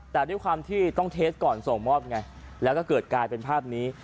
แต่ด้วยความที่ต้องเทสก่อนส่งมอบไงแล้วก็เกิดกลายเป็นภาพนี้